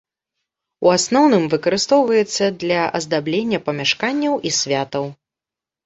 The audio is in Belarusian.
У асноўным выкарыстоўваецца для аздаблення памяшканняў і святаў.